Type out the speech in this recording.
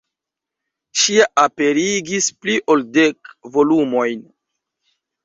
Ŝi aperigis pli ol dek volumojn.